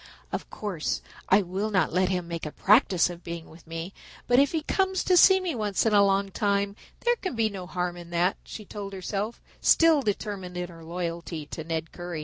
"Of course I will not let him make a practice of being with me, but if he comes to see me once in a long time there can be no harm in that," she told herself, still determined in her loyalty to Ned Currie.